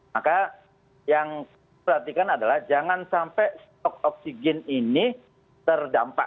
maka yang diperhatikan adalah jangan sampai stok oksigen ini terdampak